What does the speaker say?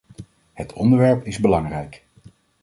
Het onderwerp is belangrijk.